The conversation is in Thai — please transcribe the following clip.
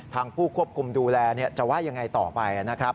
ผู้ควบคุมดูแลจะว่ายังไงต่อไปนะครับ